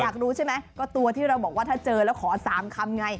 อยากรู้ใช่ไหมก็ตัวที่เราบอกว่าถ้าเจอแล้วขอ๓คำไง